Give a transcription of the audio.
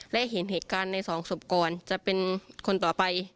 และเห็นเหตุการณ์ในสองศพก่อนจะเป็นคนต่อไป